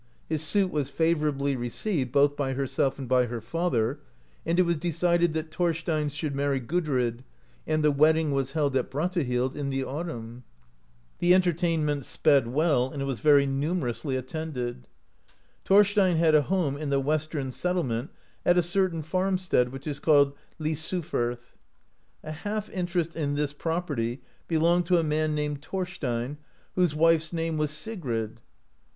His suit was favourably received both by herself and by her father, and it was decided that Thorstein should marry Gudrid, and the wedding was held at Brattahlid in the autumn. The entertainment sped well, and was very numerously attended. Thorstein had a home in the Western settle ment at a certain farmstead, which is called Lysufirth. A half interest in this property belonged to a man named Thorstein, whose wife's name was Sigrid.